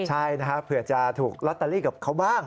ใช่นะครับเผื่อจะถูกลอตเตอรี่กับเขาบ้าง